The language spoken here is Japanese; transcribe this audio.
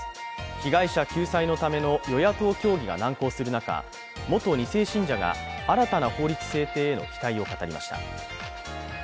被害者救済のための与野党協議が難航する中、元２世信者が新たな法律制定への期待を語りました。